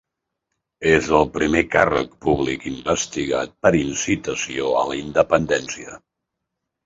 És el primer càrrec públic investigat per incitació a la independència.